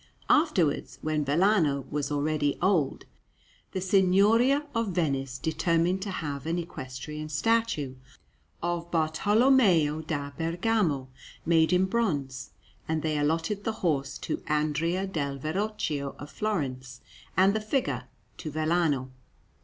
Afterwards, when Vellano was already old, the Signoria of Venice determined to have an equestrian statue of Bartolommeo da Bergamo made in bronze; and they allotted the horse to Andrea del Verrocchio of Florence, and the figure to Vellano.